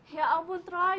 ya ampun troi